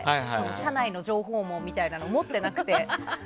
社内の情報網みたいなもの持ってなくて。